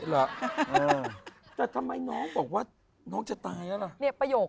แต่ทำไมน้องบอกว่าน้องจะตาย